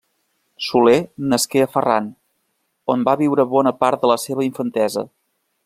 Soler nasqué a Ferran, on va viure bona part de la seva infantesa.